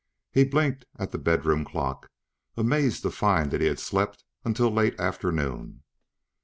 He blinked at the bedroom clock, amazed to find that he had slept until late afternoon.